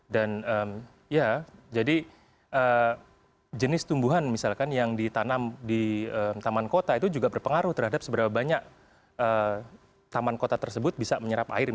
dan jadi jenis tumbuhan misalkan yang ditanam di taman kota itu juga berpengaruh terhadap seberapa banyak taman kota tersebut bisa menyerap air